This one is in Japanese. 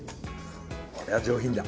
これは上品だ。